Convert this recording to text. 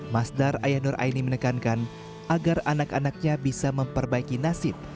masdar ayah nur aini menekankan agar anak anaknya bisa memperbaiki nasib